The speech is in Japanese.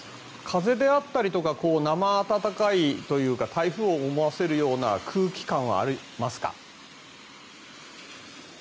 風であったりとか生暖かいというか台風を思わせるような空気感はありますか？